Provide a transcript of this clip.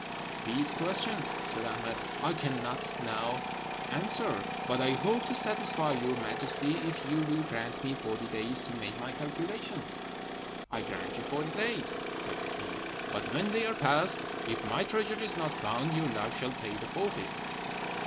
"These questions," said Ahmed, "I cannot now answer; but I hope to satisfy your Majesty, if you will grant me forty days to make my calculations." "I grant you forty days," said the king; "but when they are past, if my treasure is not found, your life shall pay the forfeit."